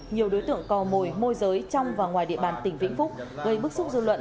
nhiều đối tượng cò mồi môi giới trong và ngoài địa bàn tỉnh vĩnh phúc gây bức xúc dư luận